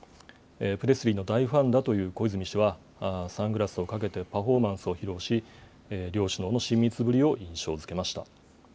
プレスリーの大ファンだという小泉氏は、サングラスをかけてパフォーマンスを披露し、両首脳の親密ぶりを印象づけました。